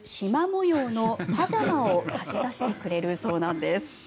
模様のパジャマを貸し出してくれるそうなんです。